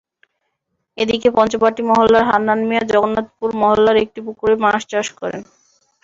এদিকে পঞ্চবটী মহল্লার হান্নান মিয়া জগন্নাথপুর মহল্লার একটি পুকুরে মাছ চাষ করেন।